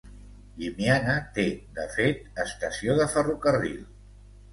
Llimiana té, de fet, estació de ferrocarril.